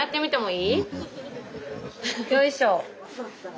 よいしょ。